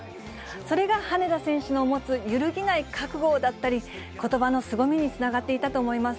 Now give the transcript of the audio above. それが、羽根田選手の持つ揺るぎない覚悟だったり、ことばのすごみにつながっていたと思います。